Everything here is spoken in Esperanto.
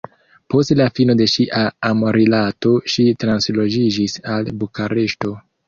Post la fino de ŝia amrilato, ŝi transloĝiĝis al Bukareŝto.